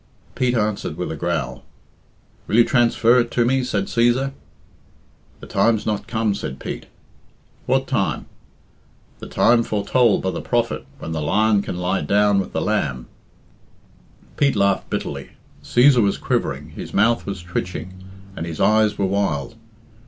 Pete answered with a growl. "Will you transfer it to me?" said Cæsar. "The time's not come," said Pete. "What time?" "The time foretold by the prophet, when the lion can lie down with the lamb." Pete laughed bitterly. Cæsar was quivering, his mouth was twitching, and his eyes were wild.